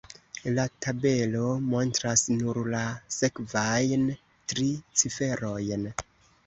La tabelo montras nur la sekvajn tri ciferojn.